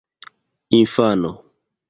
infano